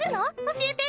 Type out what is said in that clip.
教えて。